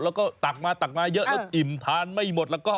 แล้วก็ตักมาตักมาเยอะแล้วอิ่มทานไม่หมดแล้วก็